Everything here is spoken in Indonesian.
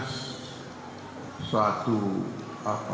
seolah olah kita bisa mendorong lahirnya